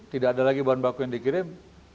tidak ada lagi bahan baku yang dikirim